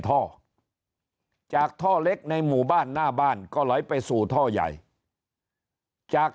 ท่อจากท่อเล็กในหมู่บ้านหน้าบ้านก็ไหลไปสู่ท่อใหญ่จาก